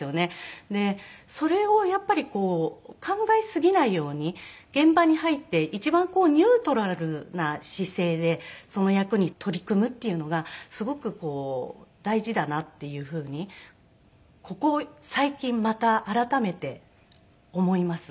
でそれをやっぱりこう考えすぎないように現場に入って一番ニュートラルな姿勢でその役に取り組むっていうのがすごく大事だなっていうふうにここ最近また改めて思います。